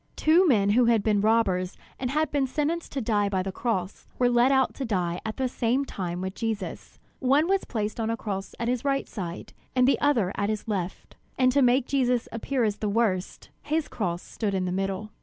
Two men who had been robbers and had been sentenced to die by the cross, were led out to die at the same time with Jesus. One was placed on a cross at his right side, and the other at his left; and to make Jesus appear as the worst, his cross stood in the middle.